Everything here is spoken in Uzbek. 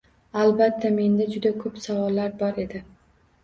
Albatta, menda juda ko'p savollar bor edi